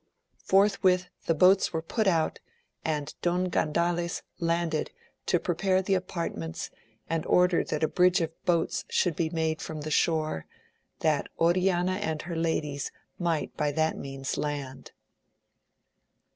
Forthwith the boats were put out, and Don Gandales landed to prepare the apartments and order that a bridge of boats should be made from the shore, that Oriana and her ladies might by that means land.